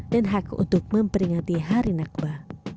dan hak untuk memperingati hari nakba